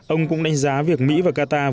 ông cũng đánh giá việc mỹ và qatar